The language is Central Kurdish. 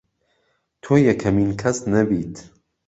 تۆ یەکەمین کەس نەبیت